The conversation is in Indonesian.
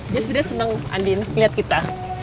dia sebenernya seneng andin ngeliat kita